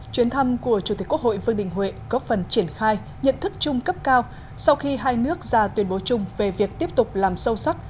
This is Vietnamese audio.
chuyến thăm của chủ tịch quốc hội vương đình huệ góp phần triển khai nhận thức chung cấp cao sau khi hai nước ra tuyên bố chung về việc tiếp tục làm sâu sắc